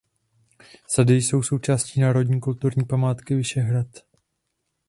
Sady jsou součástí Národní kulturní památky Vyšehrad.